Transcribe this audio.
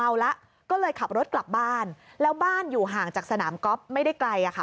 แล้วก็เลยขับรถกลับบ้านแล้วบ้านอยู่ห่างจากสนามก๊อฟไม่ได้ไกลอ่ะค่ะ